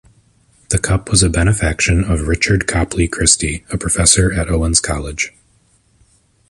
The cup was a benefaction of Richard Copley Christie, a professor at Owens College.